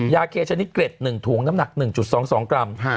ยาเคชนิดเกร็ด๑ถุงน้ำหนัก๑๒๒กรัม